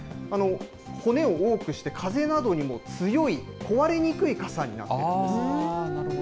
骨を多くして風などにも強い、壊れにくい傘になっているんです。